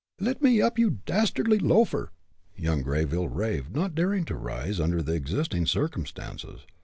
"Let me up, you dastardly loafer!" young Greyville raved, not daring to rise under the existing circumstances.